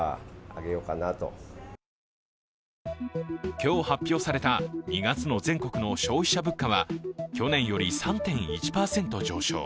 今日、発表された２月の全国の消費者物価は去年より３．１％上昇。